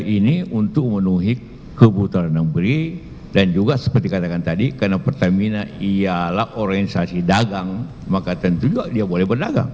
ini untuk memenuhi kebutuhan dalam negeri dan juga seperti katakan tadi karena pertamina ialah organisasi dagang maka tentu juga dia boleh berdagang